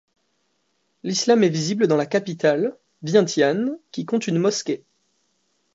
L'islam est visible dans la capitale, Vientiane, qui compte une mosquée.